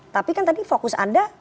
tapi kan tadi fokus anda